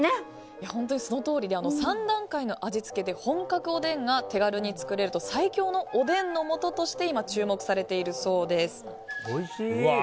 本当にそのとおりで３段階の味付けで本格おでんが手軽に作れると最強のおでんの素として今、注目されているそうです。